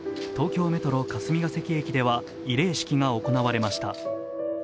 東京メトロ・霞ケ関駅では慰霊式が行われました。